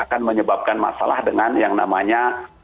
akan menyebabkan masalah dengan yang namanya